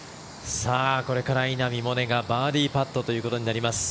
さあ、これから稲見萌寧がバーディーパットということになります。